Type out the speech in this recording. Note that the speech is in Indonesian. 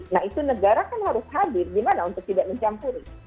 nah itu negara kan harus hadir gimana untuk tidak mencampuri